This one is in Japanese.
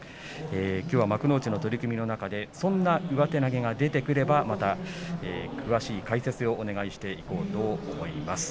きょうはそんな上手投げが出てくれば、また詳しい解説をお願いしていこうと思います。